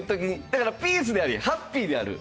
だからピースでありハッピーである。